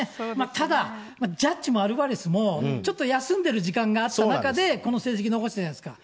ただ、ジャッジもアルバレスもちょっと休んでる時間があった中で、この成績残してるじゃないですか。